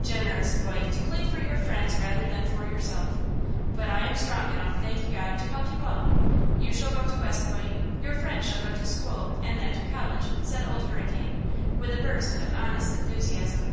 "Generous boy, to plead for your friends rather than for yourself. But I am strong enough, thank God, to help you all. You shall go to West Point. Your friend shall go to school and then to college," said Old Hurricane, with a burst of honest enthusiasm.